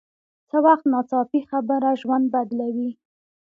څه وخت ناڅاپي خبره ژوند بدلوي